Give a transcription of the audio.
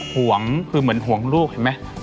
ห่วงคือเหมือนห่วงลูกเห็นไหม